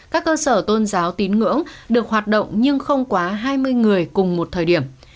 các cơ sở tôn giáo tín ngưỡng được hoạt động nhưng không quá hai mươi người cùng một thời điểm